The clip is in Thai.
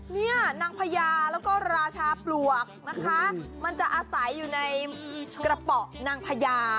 นี่นางพญาแล้วก็ราชาปลวกนะคะมันจะอาศัยอยู่ในกระเป๋านางพญา